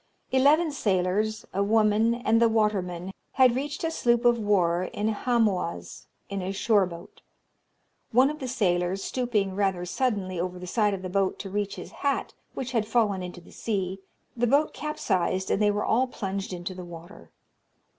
Eleven sailors, a woman, and the waterman, had reached a sloop of war in Hamoaze in a shore boat. One of the sailors, stooping rather suddenly over the side of the boat to reach his hat, which had fallen into the sea, the boat capsized, and they were all plunged into the water.